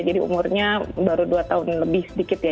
jadi umurnya baru dua tahun lebih sedikit ya